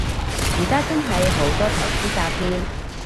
而家真係好多投資詐騙